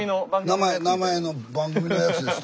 名前名前の番組のやつです。